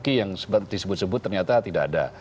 yang disebut sebut ternyata tidak ada